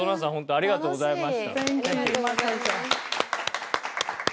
ありがとうございます。